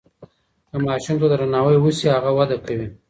که ماشوم ته درناوی وسي هغه وده کوي.